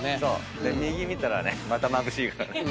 右見たらねまたまぶしいから。